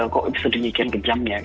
kok bisa dinyekin kejam ya